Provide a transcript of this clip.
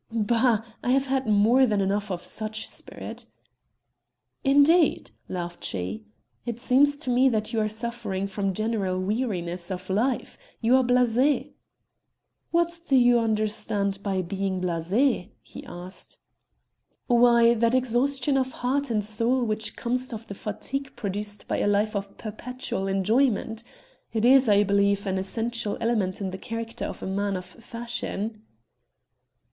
"Bah! I have had more than enough of such spirit." "Indeed!" laughed she, "it seems to me that you are suffering from general weariness of life. You are blasé." "What do you understand by being blasé?" he asked. "Why, that exhaustion of heart and soul which comes of the fatigue produced by a life of perpetual enjoyment; it is I believe an essential element in the character of a man of fashion."